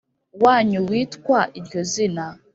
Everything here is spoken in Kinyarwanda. Wanyu witwa iryo zina